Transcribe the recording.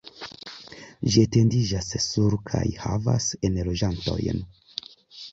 Ĝi etendiĝas sur kaj havas enloĝantojn.